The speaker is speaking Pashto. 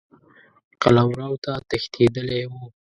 قلمرو ته تښتېدلی وو.